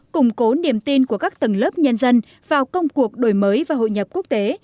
củng cố niềm tin của các tầng lớp nhân dân vào công cuộc đổi mới và hội nhập quốc tế